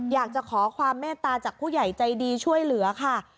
อยากจะขอความเมตตาจากผู้ใหญ่ใจดีช่วยเหลือค่ะ